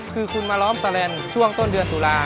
คือคุณมาล้อมแซเรนชั่วต้นเดือนตุลา